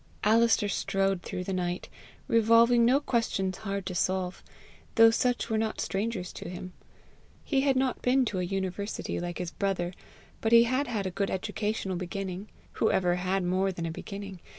Alister strode through the night, revolving no questions hard to solve, though such were not strangers to him. He had not been to a university like his brother, but he had had a good educational beginning who ever had more than a beginning?